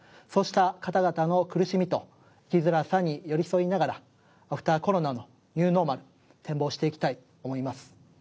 そうした方々の苦しみと生きづらさに寄り添いながらアフターコロナのニューノーマルを展望していきたいと思います。